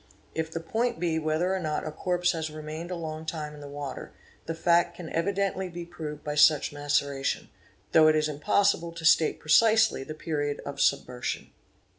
If the point be whether or not a corpse has remained a long time in the 'water, the fact can evidently be proved by such maceration, though it is 'impossible to state precisely the period of submersion.